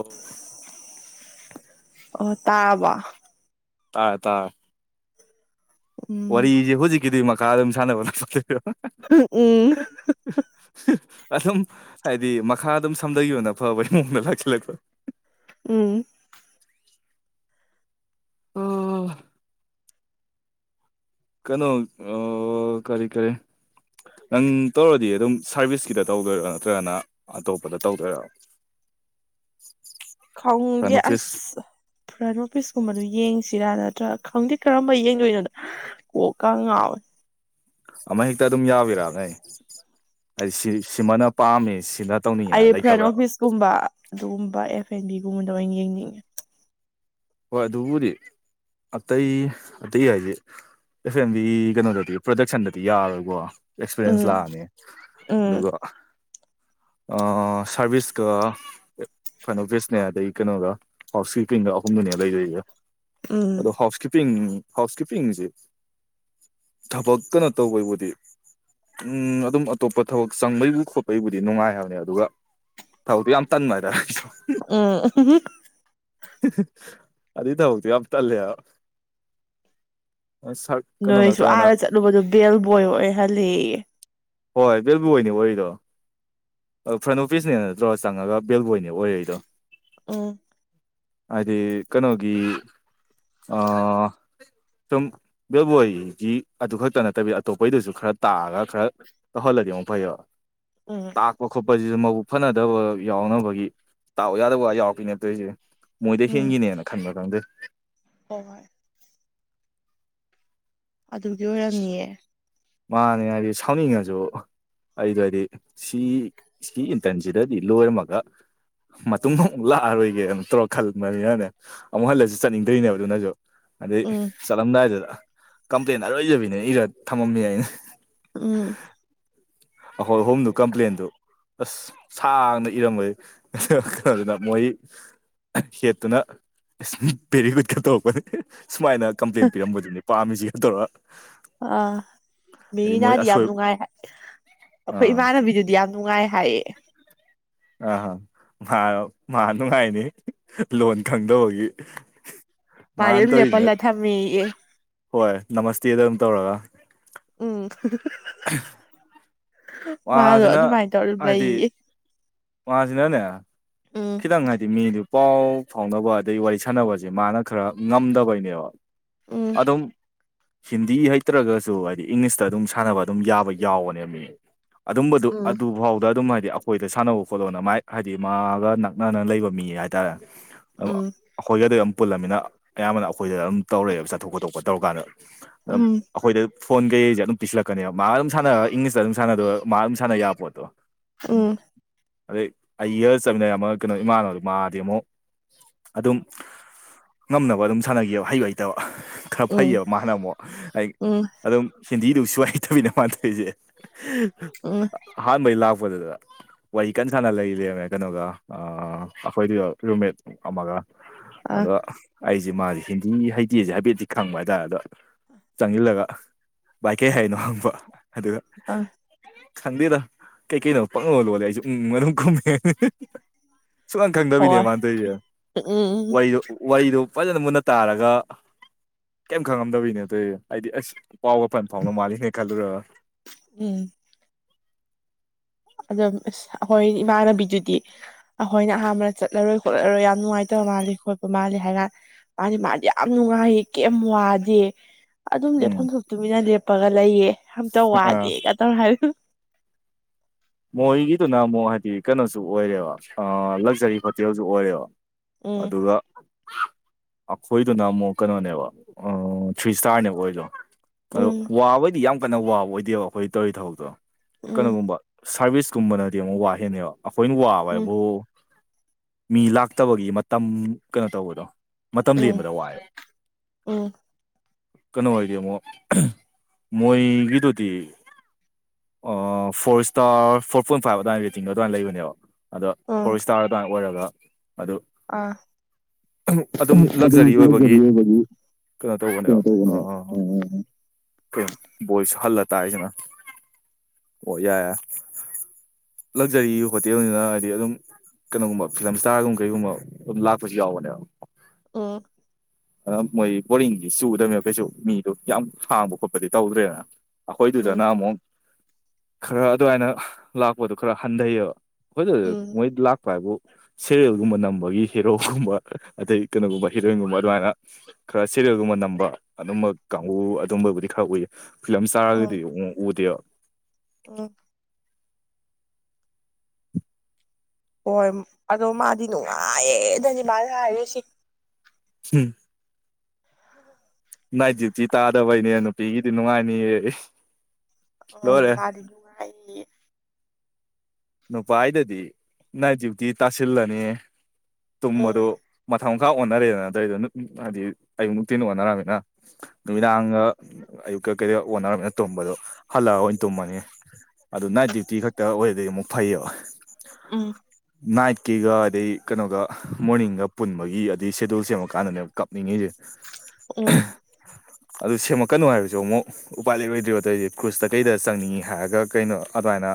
ꯑꯣ ꯑꯣ ꯇꯥꯕ ꯇꯥꯏ ꯇꯥꯏ ꯎꯝ ꯋꯥꯔꯤꯁꯦ ꯍꯧꯖꯤꯛꯀꯤꯗꯤ ꯃꯈꯥ ꯑꯗꯨꯝ ꯁꯥꯟꯅꯕꯦ ꯎꯝ ꯑꯗꯨꯝ ꯍꯥꯏꯗꯤ ꯃꯈꯥ ꯑꯗꯨꯝ ꯁꯝꯊꯣꯅ ꯐꯕꯒꯤ ꯃꯑꯣꯡꯗ ꯂꯥꯛꯁꯤꯜꯂꯛꯄ ꯎꯝ ꯎꯝ ꯀꯩꯅꯣ ꯑ ꯀꯔꯤ ꯀꯔꯔꯤ ꯅꯪ ꯇꯧꯔꯗꯤ ꯑꯗꯨꯝ ꯁꯥꯔꯚꯤꯁꯀꯤꯗ ꯇꯧꯗꯣꯏꯔ ꯅꯠꯇ꯭ꯔꯒꯅ ꯑꯇꯣꯞꯄꯗ ꯇꯧꯗꯣꯏꯔꯥ [inaudible] ꯈꯣꯡꯗꯦ ꯑꯁ ꯐꯔꯥꯏ ꯔꯣꯄꯤꯁꯀꯨꯝꯕꯗꯨꯣ ꯌꯦꯡꯁꯤ ꯁꯤꯔꯥ ꯅꯠꯇ꯭ꯔꯥ ꯈꯪꯗꯦ ꯀꯔꯝꯕ ꯌꯦꯡꯗꯣꯏꯅꯣꯗ ꯀꯣꯛꯀ ꯉꯥꯎꯋꯦ ꯑꯃ ꯍꯦꯛꯇ ꯑꯗꯨꯝ ꯌꯥꯎꯕꯤꯔꯛꯑꯅꯦ ꯍꯥꯏꯗꯤ ꯁꯤꯃꯅ ꯄꯥꯝꯃꯤ ꯁꯤꯅ ꯇꯧꯅꯤꯡꯉꯦ ꯍꯥꯏ ꯑꯩ ꯐ꯭ꯔꯟ ꯂꯩꯇꯕ꯭ꯔꯥ ꯑꯣꯐꯤꯁꯀꯨꯝꯕ ꯑꯗꯨꯒꯨꯝꯕ ꯑꯦꯐ ꯑꯦꯟ ꯕꯤꯒꯨꯝꯕꯗ ꯂ ꯑꯣꯏꯅ ꯌꯦꯡꯅꯤꯡꯉꯦ ꯍꯣꯏ ꯑꯗꯨꯕꯨꯗꯤ ꯑꯇꯩ ꯑꯇꯩ ꯍꯥꯏꯁꯦ ꯑꯦꯦꯝꯕꯤ ꯀꯩꯅꯣꯗꯗꯤ ꯄ꯭ꯔꯗꯛꯁꯟꯗꯗꯤ ꯌꯥꯔꯣꯏꯀꯣ ꯑꯦꯛꯁꯄꯤꯔꯦꯟꯁ ꯎꯝ ꯂꯥꯛꯑꯅꯤ ꯎꯝ ꯑꯗꯨꯒ ꯁꯔꯚꯤꯁꯀ ꯐꯅꯣꯐꯤꯁꯅꯦ ꯑꯗꯩ ꯀꯩꯅꯣꯒ ꯍꯥꯎꯁ ꯀꯤꯄ ꯃꯐꯝꯗꯨꯅꯦ ꯂꯩꯗꯁꯦ ꯎꯝ ꯑꯗꯣ ꯍꯥꯎꯁ ꯀꯤꯞꯄꯤꯡ ꯍꯥꯎꯁ ꯀꯤꯞꯄꯤꯡꯁꯦ ꯊꯕꯛꯀꯅ ꯇꯧꯕꯩꯕꯨꯗꯤ ꯎꯝ ꯑꯗꯨꯝ ꯑꯇꯣꯞꯄ ꯊꯕꯛ ꯆꯪꯕꯩꯕꯨ ꯈꯣꯠꯄꯒꯤꯕꯨꯗꯤ ꯅꯨꯡꯉꯥꯏ ꯍꯥꯏꯕꯅꯤ ꯑꯗꯨꯒ ꯍꯗ ꯌꯥꯝ ꯇꯟ ꯃꯔ ꯔ ꯎꯝ ꯑꯗꯨ ꯇ ꯍꯧꯗꯤ ꯌꯥꯝ ꯇꯜꯂꯦ ꯅꯣꯏꯁꯨ ꯑꯥꯔ ꯆꯠꯂꯨꯕꯗꯣ ꯕꯦꯜ ꯕꯣꯏ ꯑꯣꯏꯍꯜꯂꯤ ꯍꯣꯏ ꯕꯦꯜꯕꯨꯅꯤ ꯋꯥꯔꯤꯗꯣ ꯐ꯭ꯔꯟ ꯑꯣꯐꯤꯁꯅꯦ ꯅꯠꯇ꯭ꯔꯣ ꯆꯪꯉꯒ ꯕꯦꯜꯕꯣꯏꯅꯦ ꯑꯣꯏꯔꯛꯗꯣ ꯎꯝ ꯍꯥꯏꯗꯤ ꯀꯩꯅꯣꯒꯤ ꯑ ꯁꯨꯝ ꯕꯦꯜꯕꯣꯏꯒꯤ ꯑꯗꯨ ꯈꯛꯇ ꯅꯠꯇꯕꯤꯗ ꯑꯇꯣꯞꯄꯩꯗꯨꯁꯨ ꯈꯔ ꯇꯥꯛꯑꯒ ꯈꯔ ꯇ ꯍꯜꯂꯗꯤ ꯑꯃꯨꯛ ꯐꯩ ꯎꯝ ꯇꯥꯛꯄ ꯈꯣꯠꯄꯁ ꯁꯤꯗ ꯃꯕꯨ ꯐꯅꯗꯕ ꯌꯥꯎꯅꯕꯒꯤ ꯇꯥꯎ ꯌꯥꯗꯕ ꯋꯥ ꯌꯥꯎꯔꯛꯈꯤꯅꯦꯠꯇꯣꯏꯁꯦ ꯃꯣꯏꯗ ꯎꯝ ꯍꯦꯟꯒꯤꯅꯦꯅ ꯈꯟꯕ ꯈꯪꯗꯦ ꯍꯣꯏ ꯍꯣꯏ ꯑꯗꯨꯗꯤ ꯑꯣꯏꯔꯝꯅꯤꯌꯦ [unintelligible] ꯑꯩꯗ ꯍꯥꯏꯗꯤ ꯁꯤ ꯁꯤ ꯏꯟꯇꯔꯟꯁꯤꯗꯗꯤ ꯂꯣꯏꯔꯝꯃꯒ ꯃꯇꯨꯡꯗ ꯑꯃꯨꯛ ꯂꯥꯛꯑꯔꯣꯏꯒꯦꯅ ꯇꯧꯔ ꯈꯟꯕꯅꯤꯅꯅꯦ ꯑꯃꯨꯛ ꯍꯜꯂꯁꯨ ꯆꯠꯅꯤꯡꯗꯣꯏꯅꯦꯕ ꯑꯗꯨꯅꯁꯨ ꯑꯗꯩ ꯎꯝ ꯆꯠꯂꯝꯗꯥꯏꯗꯨꯗ ꯀꯝꯄ꯭ꯂꯦꯟ ꯑꯔꯣꯏꯖꯕꯤꯅꯦ ꯏꯔ ꯊꯝꯃꯝꯃꯤ ꯑꯩꯅ ꯎꯝ ꯍ ꯍꯣꯝꯣ ꯀꯝꯄ꯭ꯂꯦꯟꯟꯗꯨ ꯑꯁ ꯁꯥꯡꯅ ꯏꯔꯝꯕꯩ ꯀꯩꯅꯣꯗꯅ ꯃꯣꯏ ꯁꯦꯠꯇꯨꯅ ꯕꯦꯔꯤꯒꯨꯠꯀ ꯇꯣꯛꯄꯅꯦ ꯁꯨꯃꯥꯏꯅ ꯀꯝꯄ꯭ꯂꯦꯟ ꯄꯤꯔꯝꯕꯗꯨꯅꯤ ꯄꯥꯝꯃꯤꯁꯤ ꯀꯩꯗꯧꯔ ꯑꯥ ꯃꯣꯏ ꯃꯤꯅꯥꯗꯤ ꯌꯥꯝ ꯑꯁꯣꯏ ꯅꯨꯡꯉꯥꯏ ꯑꯩꯈꯣꯏ ꯑꯥ ꯏꯃꯥꯟꯅꯕꯤꯗꯨꯗꯤ ꯌꯥꯝ ꯅꯨꯡꯉꯥꯏ ꯍꯥꯏꯌꯦ ꯑ ꯍ ꯃꯥ ꯃꯥ ꯅꯨꯡꯉꯥꯏꯅꯤ ꯂꯣꯟ ꯈꯪꯗꯧꯕꯒꯤ ꯃꯥꯔ ꯎꯂꯦ ꯄꯜꯂ ꯊꯝꯃꯤ ꯍꯣꯏ ꯅꯃꯁꯇꯦꯗ ꯑꯗꯨꯝ ꯇꯧꯔꯒ ꯎꯝ ꯃꯥꯗꯣ ꯃꯥꯁꯤꯅ ꯑꯗꯨꯃꯥꯏ ꯇꯧꯔꯝ ꯍꯥꯏꯗꯤ ꯂꯩꯌꯦ ꯃꯥꯁꯤꯅꯅꯦ ꯎꯝ ꯈꯤꯇꯪ ꯍꯥꯏꯗꯤ ꯃꯤꯗꯨ ꯄꯥꯎ ꯐꯥꯎꯅꯕ ꯑꯗꯩ ꯋꯥꯔꯤ ꯁꯥꯟꯅꯕꯁꯦ ꯃꯥꯅ ꯈꯔ ꯉꯝꯗꯕꯩꯅꯦꯕ ꯎꯝ ꯑꯗꯨꯝ ꯍꯤꯟꯗꯤ ꯍꯩꯇ꯭ꯔꯒꯁꯨ ꯍꯥꯏꯗꯤ ꯏꯪꯂꯤꯁꯇ ꯑꯗꯨꯝ ꯁꯥꯟꯅꯕ ꯑꯗꯨꯝ ꯌꯥꯕ ꯌꯥꯎꯕꯅꯦꯕ ꯃꯤ ꯑꯗꯨꯝꯕꯗꯨ ꯎꯝ ꯑꯗꯨꯐꯥꯎꯗ ꯑꯗꯨꯝ ꯍꯥꯏꯗꯤ ꯑꯩꯈꯣꯏꯗ ꯁꯥꯟꯅꯕ ꯈꯣꯠꯂꯣꯅ ꯃꯥꯏ ꯍꯥꯏꯗꯤ ꯃꯥꯒ ꯅꯛꯅꯅ ꯂꯩꯕ ꯃꯤ ꯍꯥꯏꯇꯥꯔꯦ ꯎꯝ ꯑꯩꯈꯣꯏꯒꯗꯤꯝ ꯄꯨꯜꯂꯃꯤꯅ ꯑꯌꯥꯝꯕꯅ ꯑꯩꯈꯣꯏꯗ ꯑꯗꯨꯝ ꯇꯧꯔꯛꯑꯦꯕ ꯆꯠꯊꯣꯛ ꯈꯣꯇꯣꯛꯄ ꯇꯧꯔ ꯀꯥꯟꯗ ꯑꯗꯨꯝ ꯎꯝ ꯑꯩꯈꯣꯏꯗ ꯐꯣꯟ ꯀꯩꯁꯦ ꯑꯗꯨꯝ ꯄꯤꯁꯤꯜꯂꯛꯀꯅꯦꯕ ꯃꯥ ꯑꯗꯨꯝ ꯁꯥꯟꯅ ꯏꯪꯂꯤꯁꯇ ꯑꯗꯨꯝꯥꯟꯅꯅꯕꯣ ꯃꯥ ꯑꯗꯨꯝ ꯁꯥꯟꯅ ꯌꯥꯕ ꯄꯣꯠꯇꯣ ꯎꯝ ꯑꯗꯩ ꯑꯩ ꯏꯔ ꯆꯠꯃꯤꯟꯅ ꯑꯃ ꯀꯩꯅꯣ ꯏꯃꯥꯟꯅꯕꯗ ꯃꯥꯗꯤꯦ ꯑꯃꯨꯛ ꯑꯗꯨꯝ ꯉꯝꯅꯕ ꯑꯗꯨꯝ ꯁꯥꯟꯅꯈꯤꯑꯕ ꯍꯩꯕ ꯍꯩꯇꯕ ꯈꯔ ꯎꯝ ꯐꯩꯌꯦꯕ ꯃꯥꯅ ꯑꯃꯨꯛ ꯑꯩ ꯎꯝ ꯑꯗꯨꯝ ꯀꯦꯟꯗꯤꯗꯨ ꯁꯉꯥꯏꯇꯃꯤꯅ ꯃꯥꯟꯅꯗꯣꯏꯁꯦ ꯎꯝ ꯑꯍꯥꯟꯕꯩ ꯂꯥꯛꯄ ꯄꯗꯨꯗ ꯋꯥꯔꯤ ꯀꯟ ꯁꯥꯟꯅ ꯂꯩꯔꯃꯦ ꯀꯩꯅꯣꯒ ꯑꯩꯈꯣꯏꯗꯨ ꯔꯨꯝꯃꯦꯠ ꯑꯃꯒ ꯑ ꯑꯗꯣ ꯑꯩꯁꯦ ꯃꯥꯁꯦ ꯍꯤꯟꯗꯤ ꯍꯩꯇꯦꯁꯦ ꯍꯥꯏꯐꯦꯠꯤ ꯈꯪꯕ ꯍꯥꯏꯇꯥꯔꯦ ꯑꯗꯣ ꯆꯪꯁꯤꯜꯂꯒ ꯚꯏ ꯀꯩ ꯍꯥꯏꯅꯣ ꯍꯪꯕ ꯑꯗꯨꯒ ꯑ ꯈꯪꯗꯦꯗ ꯀꯩꯀꯩꯅꯣ ꯄꯪꯉꯍꯜꯂꯣꯂ ꯑꯩꯁꯨ ꯎꯪ ꯃꯅꯨꯡꯝ ꯀꯨꯝꯃꯦ ꯁꯨꯛꯈꯪ ꯈꯪꯗꯕꯤꯅꯦ ꯍꯣꯏ ꯃꯥꯟꯗꯣꯏꯁꯦꯗꯣ ꯎꯝ ꯋꯥꯔꯤꯗꯣ ꯐꯖꯅ ꯃꯨꯟꯅ ꯇꯥꯔꯒ ꯀꯩꯝ ꯈꯪꯉꯝꯗꯕꯩꯅꯦ ꯑꯗꯨꯣꯏ ꯍꯥꯏꯗꯤ ꯑꯁ ꯄꯥꯎꯒꯄꯟ ꯐꯥꯎꯅ ꯃꯥꯜꯂꯤꯅꯦ ꯈꯜꯂꯨꯔ ꯎꯝ ꯑꯗꯣ ꯑꯩꯈꯣꯏ ꯏꯃꯥꯟꯅꯕꯤꯗꯨꯗꯤ ꯑꯩꯈꯣꯏꯅ ꯑꯍꯥꯟꯕꯅ ꯆꯠꯂꯔꯣꯏ ꯈꯣꯠꯂꯔꯣꯏ ꯌꯥꯝ ꯅꯨꯡꯉꯥꯏꯇꯕ ꯃꯥ ꯈꯣꯠꯄ ꯃꯥ ꯍꯥꯏꯀꯥꯟ ꯃꯥꯗꯤ ꯃꯥꯗꯤ ꯌꯥꯝ ꯅꯨꯡꯉꯥꯏ ꯀꯦꯝ ꯋꯥꯗꯦ ꯑꯗꯨꯝ ꯎꯝ ꯂꯦꯞꯐꯝ ꯊꯣꯛꯇꯨꯃꯤꯅ ꯂꯦꯞꯄꯒ ꯂꯩꯌꯦ ꯑꯝꯇ ꯑꯥ ꯋꯥꯗꯦꯒ ꯇꯧꯔ ꯍꯥꯏ ꯃꯣꯏꯒꯤꯗꯨꯅ ꯑꯃꯨꯛ ꯍꯥꯏꯗꯤ ꯀꯩꯅꯣꯁꯨ ꯑꯣꯏꯔꯦꯕ ꯂꯛꯖꯔꯤ ꯍꯣꯇꯦꯜꯁꯨ ꯑꯣꯏꯔꯦꯕ ꯎꯝ ꯑꯗꯨꯒ ꯑꯩꯈꯣꯏꯗꯨꯅ ꯑꯃꯨꯛ ꯀꯩꯅꯣꯅꯦꯕ ꯊ꯭ꯔꯤ ꯏꯁꯇꯥꯔꯅꯦꯕ ꯑꯩꯣꯏꯗꯣ ꯑꯗꯣ ꯎꯝ ꯋꯥꯕꯩꯗꯤ ꯌꯥꯝ ꯀꯟꯅ ꯋꯥꯕ ꯑꯣꯏꯗꯦꯕ ꯑꯩꯈꯣꯏ ꯇꯧꯔꯤ ꯊꯕꯛꯇꯣ ꯎꯝ ꯀꯩꯅꯣꯒꯨꯝꯕ ꯁꯥꯔꯚꯤꯁꯀꯨꯝꯕꯅꯗꯤ ꯑꯃꯨꯛ ꯋꯥꯍꯦꯟꯅꯕ ꯑꯩꯈꯣꯏꯅ ꯋꯥꯕ ꯎꯝ ꯍꯥꯏꯕꯨ ꯃꯤ ꯂꯥꯛꯇꯕꯒꯤ ꯃꯇꯝ ꯀꯩꯅꯣ ꯇꯧꯕꯗꯣ ꯃꯇꯝ ꯎꯝ ꯂꯦꯟꯕꯗ ꯋꯥꯑꯦ ꯎꯝ ꯀꯩꯅꯣ ꯍꯥꯏꯗ ꯑꯃꯣ ꯃꯣꯏꯒꯤꯗꯨꯗꯤ ꯑꯣ ꯐꯁ ꯁ꯭ꯇꯥꯔ ꯐꯣꯔ ꯄꯣꯏꯟ ꯐꯥꯏꯚ ꯑꯗꯨꯃꯥꯏꯅ ꯔꯦꯇꯤꯡꯗꯣ ꯑꯗꯨꯃꯥꯏꯅ ꯂꯩꯕꯅꯦꯕ ꯑꯗ ꯐꯣꯔ ꯏꯁꯇꯥꯔ ꯑꯗꯨꯃꯥꯏꯅ ꯑꯣꯏꯔꯒ ꯑꯗꯨ ꯑꯗꯨꯝ ꯑꯗꯨ ꯀ ꯂꯛꯖꯔꯤ ꯑꯣꯏꯕꯒꯤ ꯀꯩꯅꯣ ꯇꯧꯕꯅ ꯑ ꯕꯣꯏꯁꯨ ꯍꯜꯂ ꯇꯥꯏꯁꯤꯅ ꯑꯣ ꯌꯥꯏꯦ ꯂꯛꯖꯔꯤ ꯍꯣꯇꯦꯜꯅꯤꯅ ꯍꯥꯏꯗꯤ ꯑꯗꯨꯝ ꯀꯩꯅꯣꯒꯨꯝꯕ ꯐꯤꯂꯝ ꯏꯁꯇꯥꯔꯒꯨꯝꯕ ꯀꯩꯒꯨꯝꯕ ꯑꯗꯨꯝ ꯂꯥꯛꯄꯁꯨ ꯌꯥꯎꯕꯅꯦꯕ ꯑꯣ ꯑꯗꯨ ꯃꯣꯏ ꯕꯣꯔꯤꯡꯗꯤ ꯆꯨꯗꯕꯅꯦꯕ ꯀꯩꯁꯨ ꯃꯤꯗꯣ ꯌꯥꯝ ꯍꯥꯡꯕ ꯈꯣꯠꯄꯗꯤ ꯇꯧꯗ꯭ꯔꯦꯅ ꯎꯝ ꯑꯩꯈꯣꯏꯗꯨꯗꯅ ꯑꯃꯨꯛ ꯈꯔ ꯑꯗꯨꯃꯥꯏꯅ ꯂꯥꯛꯄꯗꯨꯣ ꯈꯔ ꯍꯟꯊꯩꯌꯦꯕ ꯍꯣꯏ ꯎꯝ ꯃꯣꯏꯗ ꯂꯥꯛꯄ ꯍꯥꯏꯕꯨ ꯁꯦꯔꯤꯌꯦꯜꯒꯨꯝꯕ ꯅꯝꯕꯒꯤ ꯍꯦꯔꯣꯒꯨꯝꯕ ꯑꯗꯩ ꯀꯩꯅꯣꯒꯨꯝꯕ ꯍꯤꯔꯣꯏꯟꯒꯨꯝꯕ ꯑꯗꯨꯃꯥꯏꯅ ꯈꯔꯦ ꯁꯤꯦꯜꯒꯨꯝꯕ ꯅꯝꯕ ꯑꯗꯨꯝꯕ ꯀꯥꯡꯕꯨ ꯑꯗꯨꯝꯕꯕꯨꯗꯤ ꯈꯔ ꯎꯏꯌꯦ ꯐꯤꯂꯝ ꯆꯥꯔꯒꯗꯤ ꯑꯃꯨꯛ ꯎꯗꯦꯕ ꯑꯣ ꯍꯣꯏ ꯑꯗꯣ ꯃꯥꯗꯤ ꯅꯨꯡꯉꯥꯏꯌꯦꯗꯗꯤ ꯃꯥꯅ ꯍꯥꯏꯔꯨꯁꯤ ꯎꯝ ꯅꯥ ꯖꯤꯇꯤ ꯇꯥꯗꯕꯩꯅꯦ ꯅꯨꯄꯤꯒꯤꯗꯤ ꯅꯨꯡꯉꯥꯏꯅꯤꯌꯦ ꯑꯣ ꯂꯣꯏꯔꯦ ꯃꯔꯤꯅꯨꯡꯉ ꯅꯨꯄꯥ ꯑꯩꯗꯗꯤ ꯅꯥꯏꯠ ꯗ꯭ꯌꯨꯇꯤ ꯇꯥꯁꯤꯜꯂꯅꯤ ꯎꯝ ꯇꯨꯝꯕꯗ ꯊꯈꯥ ꯑꯣꯟꯅꯔꯦꯗꯅ ꯑꯗꯨꯠꯇ꯭ꯔꯏꯗ ꯍꯥꯏꯗꯤ ꯑꯌꯨꯛ ꯅꯨꯡꯇꯤꯟ ꯑꯣꯟꯅꯔꯃꯤꯅ ꯎꯝ ꯅꯨꯃꯤꯗꯥꯡꯒ ꯑꯌꯨꯛꯀ ꯀꯩꯗ ꯑꯣꯅꯔꯃꯦꯅ ꯇꯨꯝꯕꯗꯣ ꯍꯜꯂꯛꯑꯒ ꯑꯣꯏꯅ ꯇꯨꯝꯃꯅꯤ ꯑꯗꯨ ꯅꯥꯏꯠ ꯗ꯭ꯌꯨꯇꯤ ꯈꯛꯇ ꯑꯣꯏ ꯑꯗꯨꯗꯒꯤ ꯑꯃꯨꯛ ꯐꯩꯌꯦ ꯎꯝ ꯅꯥꯏꯠ ꯀꯀꯤꯒ ꯑꯗꯩ ꯀꯩꯅꯣꯒ ꯃꯣꯔꯅꯤꯡꯒ ꯄꯨꯟꯕꯒꯤ ꯑꯗꯩ ꯁꯦꯗꯨꯜ ꯁꯦꯝꯃꯀꯥꯟꯗꯅꯦꯕ ꯀꯞꯅꯤꯡꯉꯁꯦ ꯎꯝ ꯑꯗꯨ ꯁꯦꯝꯃꯛꯀꯅꯨ ꯍꯥꯏꯔꯁꯨ ꯑꯃꯨꯛ ꯎꯄꯥꯏ ꯂꯩꯔ ꯑꯣꯏꯗ꯭ꯔꯤꯕꯣ ꯑꯇꯩꯩꯗꯤ ꯀ꯭ꯔꯨꯖꯇ ꯀꯩꯗ ꯆꯪꯅꯤꯡꯏꯤ ꯍꯥꯏꯔꯒ ꯀꯩꯅꯣ ꯑꯗꯨꯃꯥꯏꯅ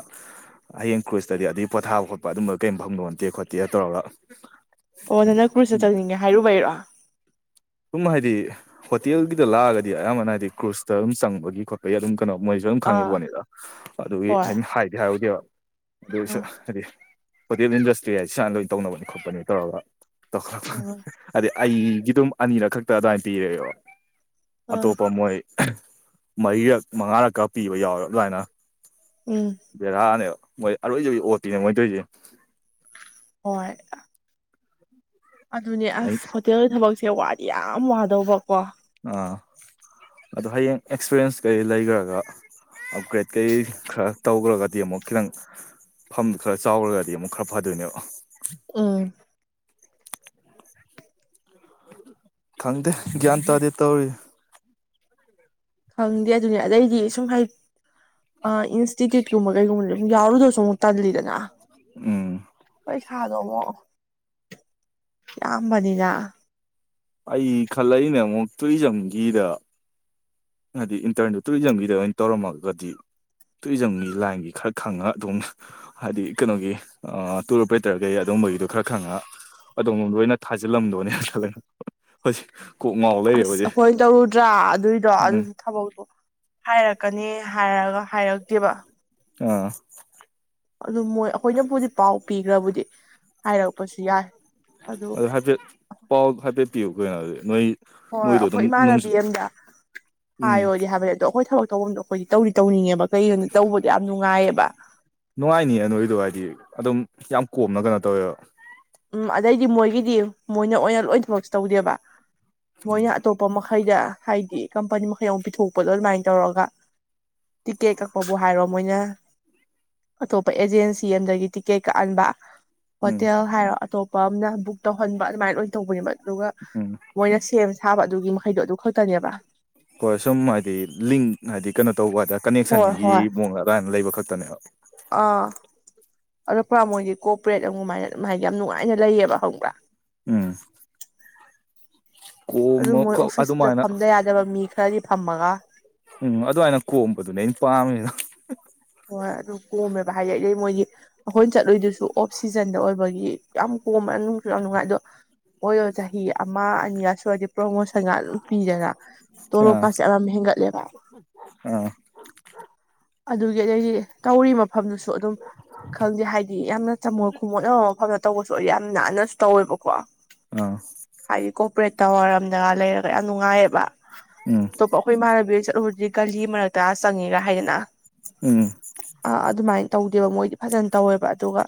ꯍꯌꯦꯡ ꯀ꯭ꯔꯨꯖꯇꯗꯤ ꯑꯗꯨꯒꯤ ꯄꯣꯊꯥꯕ ꯈꯣꯠꯄ ꯑꯗꯨꯝꯕ ꯀꯩꯝ ꯃꯐꯝ ꯂꯣꯟꯇꯦ ꯈꯣꯠꯇꯦ ꯇꯧꯔꯒ ꯑꯣ ꯍꯥꯏꯗꯤ ꯅꯪ ꯀ꯭ꯔꯨꯁꯇ ꯆꯠꯅꯤꯡꯉꯦ ꯍꯥꯏꯔꯨꯕ ꯍꯥꯏꯔꯛꯑꯣ ꯁꯝ ꯍꯥꯏꯗꯤ ꯍꯣꯇꯦꯜꯒꯤꯗ ꯂꯥꯛꯑꯒꯗꯤ ꯑꯌꯥꯝꯕꯅ ꯍꯥꯏꯗꯤ ꯀ꯭ꯔꯨꯖꯇ ꯑꯗꯨꯝ ꯆꯪꯕꯒꯤ ꯈꯣꯠꯄꯒꯤ ꯑꯗꯨꯝ ꯀꯩꯅꯣ ꯃꯣꯏꯁꯨ ꯑꯗꯨꯝ ꯑꯥ ꯈꯪꯉꯤꯕꯣꯠꯅꯤꯗ ꯑꯗꯨꯒꯤ ꯍꯣꯏ ꯑꯩꯅ ꯍꯥꯏꯗꯤ ꯍꯥꯏꯔꯨꯗꯦꯕ ꯑꯗꯨ ꯑꯣꯏꯁꯨ ꯑꯥ ꯍꯥꯏꯗꯤ ꯍꯣꯇꯦꯜ ꯏꯟꯗꯁꯇ꯭ꯔꯤ ꯍꯥꯏꯁ ꯁꯨꯃꯥꯏꯅ ꯂꯣꯏꯅ ꯇꯧꯅꯕꯅꯤ ꯈꯣꯠꯄꯅꯤ ꯇꯧꯔꯒ ꯑꯥ ꯑꯗꯤ ꯑꯩꯒꯤ ꯑꯗꯨꯝ ꯑꯅꯤꯔꯛ ꯈꯛꯇ ꯑꯗꯨꯃꯥꯏꯅ ꯄꯤꯔꯦꯕ ꯑꯥ ꯑꯇꯣꯞꯄ ꯃꯣꯏ ꯃꯔꯤꯔꯛ ꯃꯉꯥꯔꯛꯀ ꯄꯤꯕ ꯌꯥꯎꯔꯕ ꯂꯥꯏꯅ ꯎꯝ ꯕꯦꯔꯥꯅꯦ ꯃꯣꯏ ꯑꯔꯣꯏꯖ ꯑꯣꯠꯇꯤꯅꯦ ꯃꯣꯏꯗꯣꯏꯁ ꯍꯣꯏ ꯑꯗꯨꯅꯦ ꯑꯩ ꯑꯁ ꯍꯣꯇꯦꯜꯒꯤ ꯊꯕꯛꯁꯦ ꯋꯥꯗꯤ ꯌꯥꯝ ꯋꯥꯗꯧꯕꯀꯣ ꯑꯥ ꯑꯗꯣ ꯍꯌꯦꯡ ꯑꯦꯛꯁꯄꯤꯔꯌꯦꯟꯁ ꯀꯩ ꯂꯩꯈ꯭ꯔꯒ ꯑꯞꯒ꯭ꯔꯦꯗ ꯀꯩ ꯈꯔ ꯇꯧꯈ꯭ꯔꯒꯗꯤ ꯑꯃꯨꯛ ꯈꯤꯇꯪ ꯐꯝꯗꯨ ꯈꯔ ꯆꯥꯎꯔꯒꯗꯤ ꯑꯃꯨꯛ ꯈꯔ ꯐꯗꯣꯏꯅꯦꯕ ꯎꯝ ꯈꯪꯗꯦ ꯒ꯭ꯌꯥꯟ ꯇꯥꯗꯦ ꯇꯧꯔꯤ ꯈꯪꯗꯦ ꯑꯗꯨꯅꯤ ꯑꯗꯩꯗꯤ ꯁꯨꯝ ꯍꯥꯏ ꯑ ꯏꯟꯁꯇꯤꯇ꯭ꯌꯨꯠ ꯀꯨꯝꯕ ꯀꯩꯒꯨꯝꯕ ꯌꯥꯎꯔꯗꯣꯁꯨ ꯑꯃꯨꯛ ꯇꯥꯟꯂꯤꯗꯅ ꯎꯝ ꯄꯩꯁꯥꯗꯣ ꯑꯃꯣ ꯌꯥꯝꯌꯥꯝꯕꯅꯤꯅ ꯑꯩ ꯈꯜꯂꯛꯏꯅꯦ ꯑꯃꯨꯛ ꯇꯨꯏ ꯆꯝꯈꯤꯗ ꯍꯥꯏꯗꯤ ꯏꯟꯇꯔꯗ ꯇꯨꯔꯤꯖꯝꯒꯤꯗ ꯑꯣꯏꯅ ꯇꯧꯔꯝꯃꯒꯗꯤ ꯇꯨꯔꯤꯖꯝꯒꯤ ꯂꯥꯏꯟꯒꯤ ꯈꯔ ꯈꯪꯉ ꯑꯗꯨꯝ ꯍꯥꯏꯗꯤ ꯀꯩꯅꯣꯒꯤ ꯇꯨꯔꯄꯔꯦꯇꯔ ꯀꯩ ꯑꯗꯨꯝ ꯒꯤ ꯈꯔ ꯈꯪꯉ ꯑꯣꯝ ꯂꯣꯏꯅ ꯊꯥꯖꯤꯜꯂꯝꯗꯣꯅꯦ ꯈꯜꯂꯦꯛ ꯑꯁ ꯑꯩꯣꯏ ꯇꯧꯔꯨꯗ꯭ꯔꯥ ꯑꯗꯨꯏꯗꯣ ꯎꯝ ꯑꯗꯨꯁꯨ ꯊꯕꯛꯇꯣ ꯍꯥꯏꯔꯛꯀꯅꯤ ꯍꯥꯏꯔꯒ ꯍꯥꯏꯔꯛꯇꯦꯕ ꯑꯥ ꯑꯗꯨ ꯃꯣꯏ ꯑꯩꯈꯣꯏꯅꯕꯨꯗꯤ ꯄꯥꯎ ꯄꯤꯈ꯭ꯔꯕꯨꯗꯤ ꯍꯥꯏꯔꯛꯄꯁꯨ ꯌꯥꯏ ꯑꯗꯨ ꯍꯥꯏꯐꯦꯠ ꯄꯥꯎ ꯍꯥꯏꯐꯦꯠ ꯄꯤꯌꯨ ꯀꯩꯅꯣꯗꯤ ꯅꯣꯏ ꯍꯣꯏ ꯍꯣꯏ ꯅꯣꯏꯗꯣ ꯑꯩꯈꯣꯏ ꯑꯗꯨꯝ ꯏꯃꯥꯟꯅꯕꯤ ꯑꯝꯗ ꯎꯝ ꯍꯥꯏꯌꯨꯔꯗꯤ ꯍꯥꯏꯕꯅꯤ ꯑꯗꯣ ꯑꯩꯈꯣꯏ ꯊꯕꯛ ꯇꯧꯕꯐꯝ ꯑꯗꯣ ꯑꯩꯈꯣꯏꯒꯤ ꯇꯧꯔꯤ ꯇꯧꯅꯤꯡꯉꯦꯕ ꯀꯩꯒꯤꯅꯣꯗꯣ ꯇꯧꯕꯗꯣ ꯌꯥꯝ ꯅꯨꯡꯉꯥꯏꯌꯦꯕ ꯅꯨꯡꯉꯥꯏꯅꯤ ꯅꯣꯏꯗꯣ ꯍꯥꯏꯗꯤ ꯑꯗꯨꯝ ꯌꯥꯝ ꯀꯣꯝꯅ ꯀꯩꯅꯣ ꯇꯧꯋꯦꯕ ꯎꯝ ꯑꯗꯩꯗꯤ ꯃꯣꯏꯒꯤꯗꯤ ꯃꯣꯏꯅ ꯑꯣꯏꯅ ꯂꯣꯏ ꯊꯕꯛꯁꯨ ꯇꯧꯗꯦꯕ ꯃꯣꯏꯅ ꯑꯇꯣꯞꯄ ꯃꯈꯩꯗ ꯍꯥꯏꯗꯤ ꯀꯝꯄꯅꯤ ꯃꯈꯩ ꯑꯃ ꯄꯤꯊꯣꯛꯄꯗꯣ ꯑꯗꯨꯃꯥꯏꯅ ꯇꯧꯔꯒ ꯇꯤꯀꯦꯠ ꯀꯛꯄꯕꯨ ꯍꯥꯏꯔꯣ ꯃꯣꯏꯅ ꯑꯇꯣꯞꯄ ꯑꯦꯖꯦꯟꯁꯤ ꯑꯗꯒꯤ ꯇꯤꯛꯀꯦꯠ ꯀꯛꯍꯟꯕ ꯎꯝ ꯍꯣꯇꯦꯜ ꯍꯥꯏꯔꯣ ꯑꯇꯣꯞꯄ ꯑꯃꯅ ꯕꯨꯛ ꯇꯧꯍꯟꯕ ꯑꯗꯨꯃꯥꯏꯅ ꯂ ꯑꯣꯏꯅ ꯇꯧꯕꯅꯦ ꯃ ꯑꯗꯨꯒ ꯎꯝ ꯃꯣꯏꯅ ꯁꯦꯝ ꯁꯥꯕ ꯑꯗꯨꯒꯤ ꯃꯈꯩꯗꯣ ꯑꯗꯨ ꯈꯛꯇꯅꯦꯕ ꯍꯣꯏ ꯁꯨꯝ ꯍꯥꯏꯗꯤ ꯂꯤꯡ ꯍꯥꯏꯗꯤ ꯀꯩꯅꯣ ꯇꯧꯕ ꯍꯥꯏꯗ ꯍꯣꯏ ꯀꯅꯦꯛꯁꯟꯒꯤ ꯍꯣꯏ ꯃꯑꯣꯡ ꯑꯗꯨꯃꯥꯏꯅ ꯂꯩꯕ ꯈꯛꯇꯅꯦꯕ ꯑꯥ ꯑꯗꯣ ꯄꯨꯔꯥ ꯃꯣꯏꯒꯤ ꯀꯣꯛ ꯄ꯭ꯔꯦꯠ ꯑꯃꯃꯥꯏꯅ ꯃꯥ ꯍꯥꯏꯗꯤ ꯌꯥꯝ ꯅꯨꯡꯉꯥꯏꯅ ꯂꯩꯌꯦꯕ ꯍꯪꯕ꯭ꯔꯥ ꯎꯝ ꯑꯗꯨ ꯀꯣꯝꯃ ꯃꯣꯏ ꯑꯣꯐꯤꯁꯇꯨꯗ ꯑꯗꯨꯃꯥꯏꯅ ꯐꯝꯗ ꯌꯥꯗꯕ ꯃꯤ ꯈꯔꯗꯤ ꯐꯝꯃꯒ ꯎꯝ ꯑꯗꯨꯃꯥꯏꯅ ꯀꯣꯝꯕꯗꯨꯅꯦ ꯑꯩꯅ ꯄꯥꯝꯃꯤꯅ ꯍꯣꯏ ꯑꯗꯨ ꯀꯣꯝꯃꯦꯕ ꯍꯥꯏꯗꯤ ꯑꯩꯩ ꯃꯣꯏꯒꯤ ꯑꯩꯈꯣꯏ ꯆꯠꯂꯨꯏꯗꯨꯁꯨ ꯑꯣꯐ ꯁꯤꯖꯟꯗ ꯑꯣꯏꯕꯒꯤ ꯌꯥꯝ ꯄꯣꯝꯕꯁꯨ ꯌꯥꯝ ꯅꯨꯡꯉꯥꯏ ꯑꯗꯣ ꯑꯣꯏꯔꯣ ꯆꯍꯤ ꯑꯃ ꯑꯅꯤꯒ ꯁꯨꯔꯗꯤ ꯄ꯭ꯔꯣꯃꯣꯁꯟꯒ ꯑꯗꯨꯝ ꯄꯤꯗꯅ ꯑꯥ ꯇꯣꯂꯣꯞꯀꯥꯁꯦ ꯌꯥꯝꯝ ꯍꯦꯟꯒꯠꯂꯦꯕ ꯑꯥ ꯑꯗꯨꯒꯤ ꯑꯩꯗꯤ ꯇꯧꯔꯤ ꯃ ꯃꯐꯝꯗꯨꯁꯨ ꯑꯗꯨꯝ ꯈꯪꯗꯦ ꯍꯥꯏꯗꯤ ꯌꯥꯝꯅ ꯆꯝꯃꯣꯜ ꯈꯨꯃꯣꯠ ꯑꯃ ꯃꯐꯝꯗ ꯇꯧꯕꯁꯨ ꯌꯥꯝ ꯅꯥꯟꯅꯁꯨ ꯇꯧꯋꯦꯕꯀꯣ ꯑꯥ ꯇꯋꯥꯔꯝꯗꯒ ꯂꯩꯔꯒ ꯌꯥꯝ ꯅꯨꯡꯉꯥꯏꯌꯦꯕ ꯎꯝ ꯑꯇꯣꯞꯄ ꯑꯩꯈꯣꯏ ꯏꯃꯥꯟꯅꯕꯤꯗ ꯆꯠꯂꯨꯕꯗꯤ ꯒꯂꯤ ꯃꯔꯛꯇ ꯆꯪꯉꯦꯔ ꯍꯥꯏꯗꯅ ꯎꯝ ꯑꯥ ꯑꯗꯨꯃꯥꯏꯅ ꯇꯧ ꯕ ꯃꯣꯏꯗꯤ ꯐꯖꯅ ꯇꯧꯋꯦꯕ ꯑꯗꯨꯒ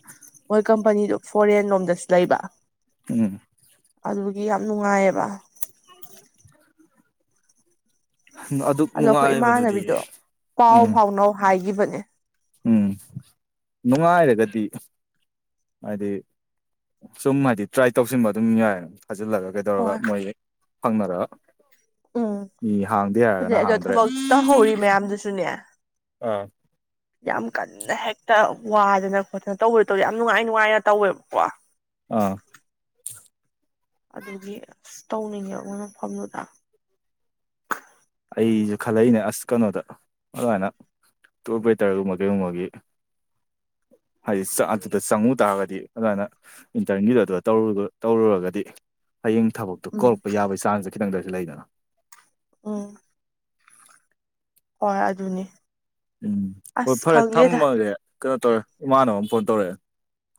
ꯃꯣꯏ ꯀꯝꯄꯅꯤꯗꯨ ꯐꯣꯔꯦꯟ ꯂꯣꯝꯗꯁꯨ ꯂꯩꯕ ꯎꯝ ꯑꯗꯨꯒꯤ ꯌꯥꯝ ꯅꯨꯡꯉꯥꯏꯑꯕ [inaudible] ꯑꯗꯨꯛ ꯑꯗꯣ ꯑꯩꯈꯣꯏ ꯅꯨꯡꯉꯥꯏꯕꯗꯨꯗꯤ ꯏꯃꯥꯟꯅꯕꯤꯗꯣ ꯄꯥꯎ ꯎꯝ ꯐꯥꯎꯅꯧ ꯍꯥꯏꯈꯤꯕꯅꯦ ꯎꯝ ꯅꯨꯡꯉꯥꯏꯔꯒꯗꯤ ꯍꯥꯏꯗꯤ ꯁꯨꯝ ꯍꯥꯏꯗꯤ ꯇ꯭ꯔꯥꯏ ꯇꯧꯁꯤꯟꯕ ꯑꯗꯨꯝ ꯌꯥꯏ ꯐꯖꯤꯜꯂꯒ ꯀꯩꯗꯧꯔꯒ ꯍꯣꯏ ꯃꯣꯏ ꯐꯪꯅꯔꯒ ꯎꯝ ꯃꯤ ꯍꯥꯡꯗꯦ ꯍꯥꯏꯔꯒꯅ ꯑꯗꯩ ꯑꯗꯣ ꯍꯥꯡꯗ꯭ꯔꯦ ꯊꯕꯛ ꯇꯧꯍꯧꯔꯤ ꯃꯌꯥꯝꯗꯨꯁꯨꯅꯦ ꯑꯥ ꯌꯥꯝ ꯀꯟꯅ ꯍꯦꯛꯇ ꯋꯥꯗꯅ ꯈꯣꯠꯇꯅ ꯇꯧꯕ ꯇꯧ ꯌꯥꯝ ꯅꯨꯡꯉꯥꯏ ꯅꯨꯡꯉꯥꯏꯅ ꯇꯧꯋꯦꯕꯀꯣ ꯑꯥ ꯑꯗꯨꯒꯤ ꯑ ꯇꯧꯅꯤꯡꯉꯦꯕ ꯃꯣꯏ ꯃꯐꯝꯗꯨꯗ ꯑꯩꯁꯨ ꯈꯜꯂꯛꯏꯅꯦ ꯑꯁ ꯀꯩꯅꯣꯗ ꯑꯗꯨꯃꯥꯏꯅ ꯇꯨꯄꯔꯦꯇꯔꯒꯨꯝꯕ ꯀꯩꯒꯨꯝꯕꯒꯤ ꯍꯥꯏꯗꯤ ꯑꯗꯨꯗ ꯆꯪꯉꯨ ꯇꯥꯔꯒꯗꯤ ꯑꯗꯨꯃꯥꯏꯅ ꯏꯟꯇꯔꯟꯒꯤꯗ ꯑꯗꯨꯔ ꯇꯧꯔꯨꯔꯒꯗꯤ ꯍꯌꯦꯡ ꯊꯕꯛꯇꯨ ꯎꯝ ꯀꯧꯂꯛꯄ ꯌꯥꯕꯒꯤ ꯆꯥꯟꯁꯦ ꯈꯤꯇꯪꯗ ꯑꯣꯏꯔꯁꯨ ꯂꯩꯗꯅ ꯑꯣ ꯍꯣꯏ ꯑꯗꯨꯅꯤ ꯎꯝ ꯍꯣꯏ ꯑꯁ ꯐꯔꯦ ꯈꯪꯗꯦꯗ ꯊꯝꯃꯒꯒꯦ ꯀꯩꯅꯣ ꯇꯧꯔꯦ ꯏꯃꯥꯅꯕ ꯑꯃ ꯐꯣꯟ ꯇꯧꯔꯛꯑꯦ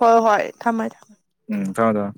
ꯍꯣꯏ ꯍꯣꯏ ꯊꯝꯃꯃꯦ ꯊꯝꯃꯃꯦ ꯎꯝ ꯍꯥꯎꯗ